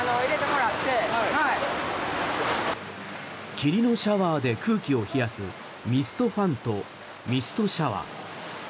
霧のシャワーで空気を冷やすミストファンとミストシャワー。